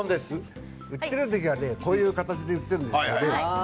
売っている時はこういう形で売っているんですよね。